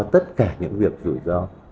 tất cả những việc rủi ro